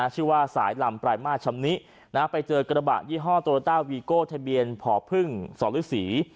ชื่อว่าสายลำปลายมาสชำนิไปเจอกระบะยี่ห้อโตราต้าวีโก้ทะเบียนผอพึ่งสรศรี